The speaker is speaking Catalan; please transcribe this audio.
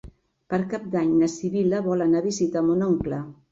Per Cap d'Any na Sibil·la vol anar a visitar mon oncle.